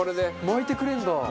巻いてくれるんだ。